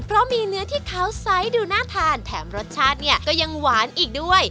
เพราะมีเนื้อที่ขาวไซส์ดูน่าทานแถมรสชาติเนี่ยก็ยังหวานอีกด้วย